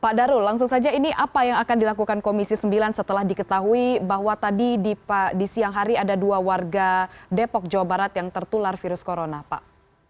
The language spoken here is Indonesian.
pak darul langsung saja ini apa yang akan dilakukan komisi sembilan setelah diketahui bahwa tadi di siang hari ada dua warga depok jawa barat yang tertular virus corona pak